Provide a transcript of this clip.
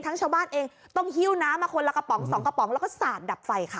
ชาวบ้านเองต้องหิ้วน้ำมาคนละกระป๋องสองกระป๋องแล้วก็สาดดับไฟค่ะ